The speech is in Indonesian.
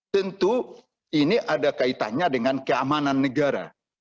tentu ini ada kaitannya dengan keamanan negara